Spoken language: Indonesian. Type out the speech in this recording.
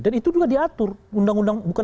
dan itu juga diatur bukan